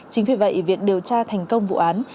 chính vì vậy việc điều tra thành công vụ án